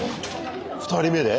２人目で？